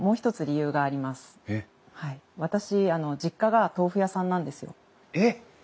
私実家が豆腐屋さんなんですよ。えっ！？